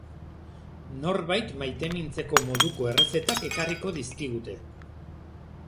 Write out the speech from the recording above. Norbait maitemintzeko moduko errezetak ekarriko dizkigute.